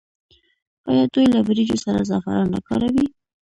آیا دوی له وریجو سره زعفران نه کاروي؟